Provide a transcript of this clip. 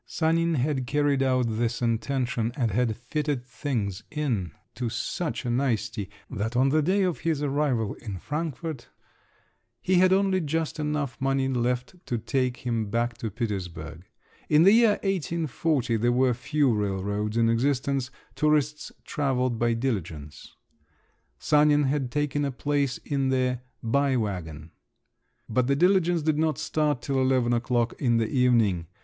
Sanin had carried out this intention, and had fitted things in to such a nicety that on the day of his arrival in Frankfort he had only just enough money left to take him back to Petersburg. In the year 1840 there were few railroads in existence; tourists travelled by diligence. Sanin had taken a place in the "bei wagon"; but the diligence did not start till eleven o'clock in the evening.